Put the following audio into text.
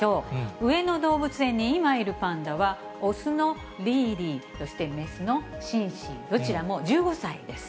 上野動物園に今いるパンダは、雄のリーリー、そして雌のシンシン、どちらも１５歳です。